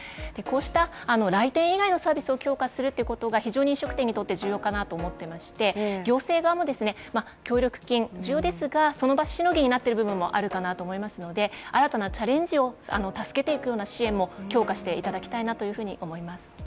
こうした来店以外のサービスを強化するということが飲食店にとって重要かなと思っていまして、行政側も協力金必要ですが、その場しのぎになっている部分もあると思いますので、新たなチャレンジを助けていくような支援も強化していただきたいなと思います。